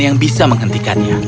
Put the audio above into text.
yang bisa menghentikannya